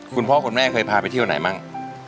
คุณพ่อคุณแม่เคยพาไปเที่ยวไหนบ้าง